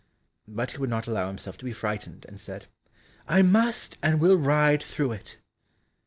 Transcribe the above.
But he would not allow himself to be frightened, and said, "I must and will ride through it."